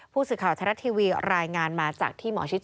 ผู้สื่อข่าวชะละทีวีรายงานมาจากที่หมอชิด๒ค่ะ